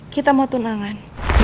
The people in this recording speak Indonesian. kita mau tunangan